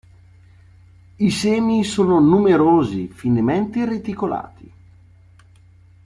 I semi sono numerosi, finemente reticolati.